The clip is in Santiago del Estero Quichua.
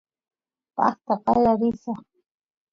paqta qaya risaq